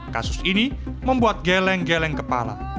kasus ini membuat geleng geleng kepala